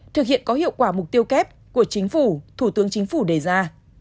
thực hiện có hiệu quả mục tiêu kép của chính phủ thủ tướng chính phủ đề ra